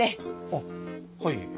あっはい。